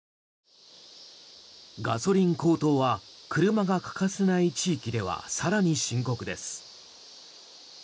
ガソリン高騰は車が欠かせない地域では更に深刻です。